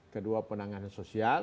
kedua penanganan sosial